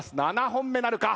７本目なるか。